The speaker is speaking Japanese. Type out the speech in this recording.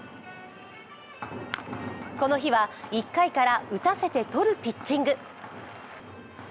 この日は１回から打たせて取るピッチング。